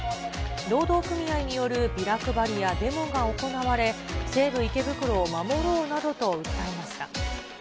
労働組合によるビラ配りやデモが行われ、西武池袋を守ろうなどと訴えました。